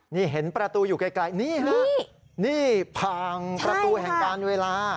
นี่เห็นประตูอยู่ไกลนี่ฮะนี่ผ่านประตูแห่งการเวลา